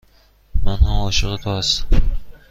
من هم عاشق تو هستم.